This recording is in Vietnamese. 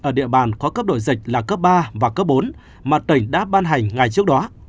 ở địa bàn có cấp đổi dịch là cấp ba và cấp bốn mà tỉnh đã ban hành ngày trước đó